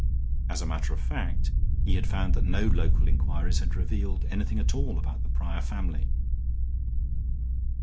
As a matter of fact, he had found that no local inquiries had revealed anything at all about the Prior family.